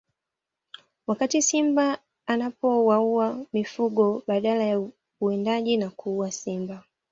Wakati simba anapowaua mifugo badala ya uwindaji na kuua simba